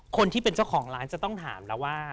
คนที่เป็นเจ้าของร้านจะต้องถามแล้วว่า